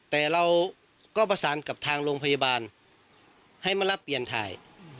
แต่เราก็ประสานกับทางโรงพยาบาลให้มารับเปลี่ยนถ่าย